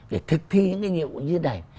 để thực thi những cái nhiệm vụ như này